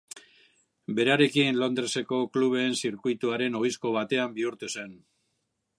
Berarekin, Londresko kluben zirkuituaren ohizko batean bihurtu zen.